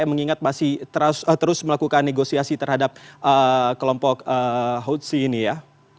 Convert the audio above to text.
yang mengingat masih terus melakukan negosiasi terhadap kelompok hotsi ini ya